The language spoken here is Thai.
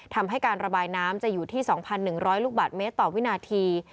ทำให้การระบายน้ำจะอยู่ที่สองพันหนึ่งร้อยลูกบาทเมตรต่อวินาที